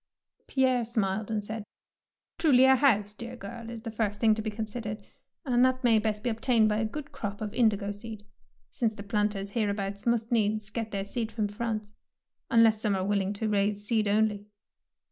^ Pierre smiled and said, —" Truly a house, dear girl, is the first thing to be considered, and that may best be obtained by a good crop of in digo seed, since the planters hereabouts must needs get their seed from France, unless some are willing to raise seed only."